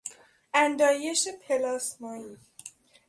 اندایش پلاسمایی